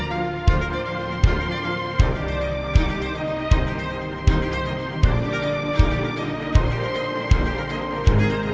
ya om baik